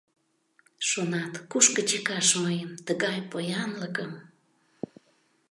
Шонат: кушко чыкаш мыйым, тыгай поянлыкым?..